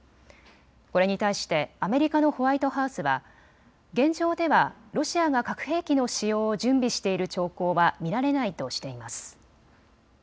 これに対してアメリカのホワイトハウスは現状ではロシアが核兵器の使用を準備している兆候は見られないとしています。